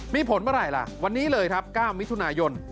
มีผลเมื่อไหร่ล่ะวันนี้เลยครับ๙มิถุนายน